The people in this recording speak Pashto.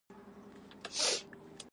ستم وکړ، اورګاډي ته په ورختو کې مې.